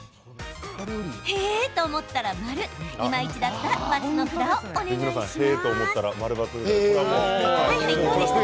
へえと思ったら○いまいちだったら×の札をお願いします。